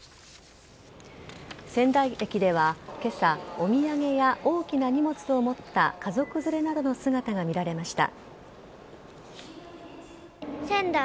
仙台駅では今朝お土産や大きな荷物を持った家族連れなどの姿が見られました。